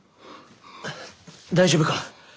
大丈夫か？